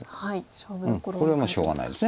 これはしょうがないです。